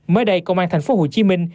mới đây công an thành phố hồ chí minh